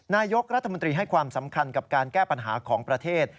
นายกรัฐมนตรีให้ความสำคัญกับการแก้ปัญหาของประเทศ